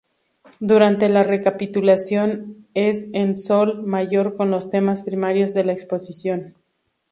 Durante la recapitulación, es en sol mayor con los temas primarios de la exposición.